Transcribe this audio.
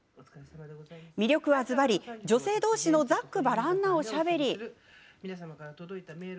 魅力は、ずばり女性同士のざっくばらんな、おしゃべり。